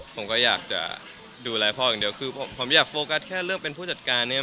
ผมก็อยากจะดูแลพ่ออย่างเดียวคือผมอยากโฟกัสแค่เรื่องเป็นผู้จัดการเนี่ย